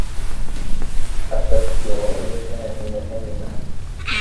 أتذكر رؤيتها في مكان ما.